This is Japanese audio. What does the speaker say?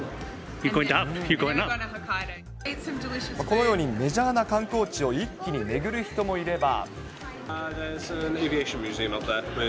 このように、メジャーな観光地を一気に巡る人もいれば。